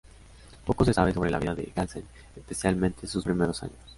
Poco se sabe sobre la vida de Gadsden, especialmente sus primeros años.